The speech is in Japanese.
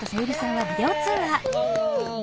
はい。